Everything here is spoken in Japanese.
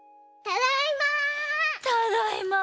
ただいま。